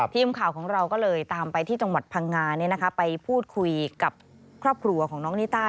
ทีมข่าวของเราก็เลยตามไปที่จังหวัดพังงาไปพูดคุยกับครอบครัวของน้องนิต้า